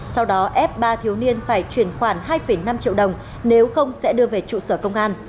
sau đó ép ba thiếu niên phải chuyển khoản hai năm triệu đồng nếu không sẽ đưa về trụ sở công an